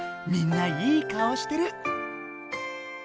みんないい顔してる。